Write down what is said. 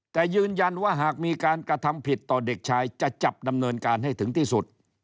แต่ยืนยันว่าหากมีการกระทำผิดต่อเด็กชายจะจับดำเนินการให้ถึงที่สุด